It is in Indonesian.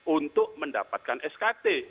untuk mendapatkan skt